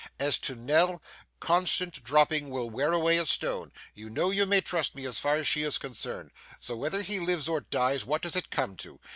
As to Nell, constant dropping will wear away a stone; you know you may trust to me as far as she is concerned. So, whether he lives or dies, what does it come to?